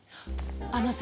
あのさ